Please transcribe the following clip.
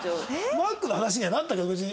マックの話にはなったけど別に。